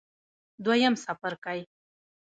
دویم څپرکی